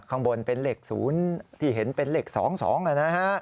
ข้างบนเป็นเล็กศูนย์ที่เห็นเป็นเล็กสองน่ะ